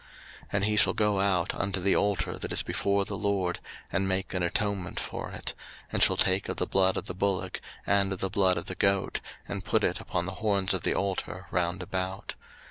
03:016:018 And he shall go out unto the altar that is before the LORD, and make an atonement for it; and shall take of the blood of the bullock, and of the blood of the goat, and put it upon the horns of the altar round about.